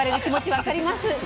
分かります。